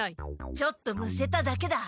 ちょっとむせただけだ。